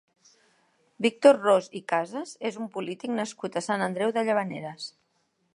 Víctor Ros i Casas és un polític nascut a Sant Andreu de Llavaneres.